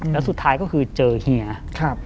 แล้วสุดท้ายก็คือเจอเฮีย